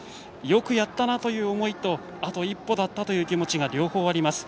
よくやったなという思いとあと一歩だったという気持ちが両方あります。